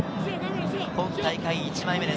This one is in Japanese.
今大会１枚目です。